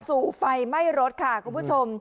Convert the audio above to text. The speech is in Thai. ไฟไหม้รถค่ะคุณผู้ชม